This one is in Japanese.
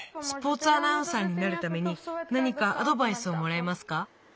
スポーツアナウンサーになるためになにかアドバイスをもらえますか？